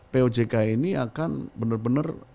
pojk ini akan bener bener